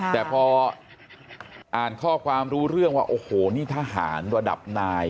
แต่พออ่านข้อความรู้เรื่องว่าโอ้โหนี่ทหารระดับนาย